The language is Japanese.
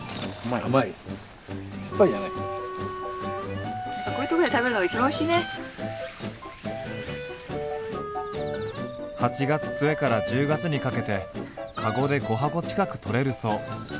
酸っぱいじゃない？８月末から１０月にかけて籠で５箱近くとれるそう。